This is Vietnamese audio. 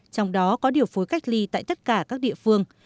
trong đó có điều phối cách ly tại tất cả các địa phương